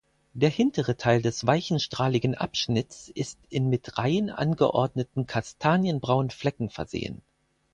Der hintere Teil des weichenstrahligen Abschnitts ist mit in Reihen angeordneten kastanienbraunen Flecken versehen.